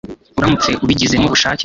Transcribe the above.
uramutse ubigizemo ubushake